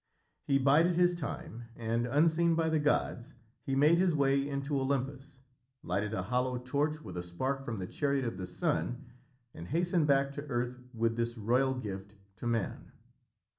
He bided his time and, unseen by the gods, he made his way into Olympus, lighted a hollow torch with a spark from the chariot of the Sun and hastened back to earth with this royal gift to Man.